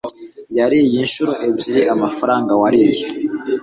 Yariye inshuro ebyiri amafaranga wariye